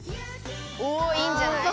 おいいんじゃない？